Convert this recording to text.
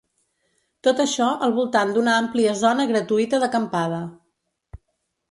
Tot això al voltant d’una àmplia zona gratuïta d’acampada.